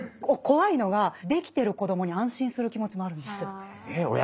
怖いのができてる子供に安心する気持ちもあるんですよね。